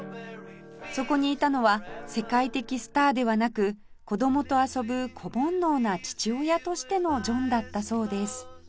そこにいたのは世界的スターではなく子供と遊ぶ子煩悩な父親としてのジョンだったそうです